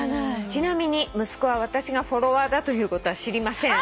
「ちなみに息子は私がフォロワーだということは知りません」